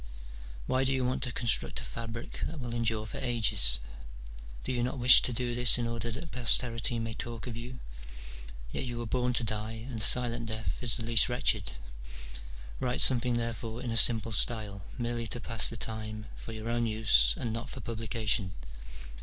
" Why do you want to construct a fabric that will endure for ages ? Do you not wish to do this in order that posterity may talk of you : yet you were born to die, and a silent death is the least wretched. Write something therefore in a simple style, merely to pass the time, for your own use, and not for publication.